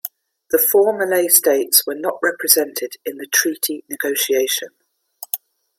The four Malay states were not represented in the treaty negotiation.